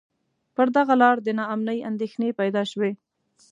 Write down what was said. پر دغه لار د نا امنۍ اندېښنې پیدا شوې.